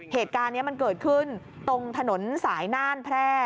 เหตุการณ์นี้มันเกิดขึ้นตรงถนนสายน่านแพร่